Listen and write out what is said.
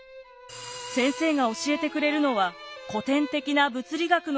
先生が教えてくれるのは古典的な物理学の理論ばかり。